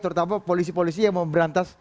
terutama polisi polisi yang mau berantas